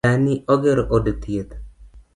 Dani ogero od thieth